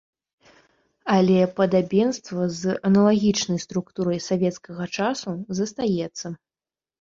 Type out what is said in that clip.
Але падабенства з аналагічнай структурай савецкага часу застаецца.